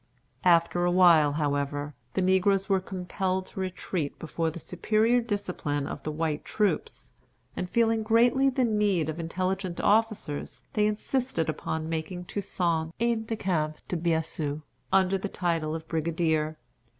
After a while, however, the negroes were compelled to retreat before the superior discipline of the white troops; and feeling greatly the need of intelligent officers, they insisted upon making Toussaint aide de camp to Biassou, under the title of Brigadier.